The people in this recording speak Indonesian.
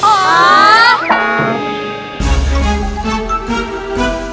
sampai jumpa di video selanjutnya